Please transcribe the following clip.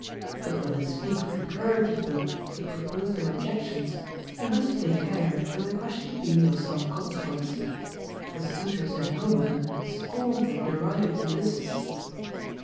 But when the speaker encourages them to propose their objections, he must take care that the question be of some consequence The suitors in Homer scorned and derided Ulysses.